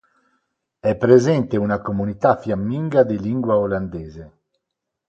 È presente una comunità fiamminga di lingua olandese.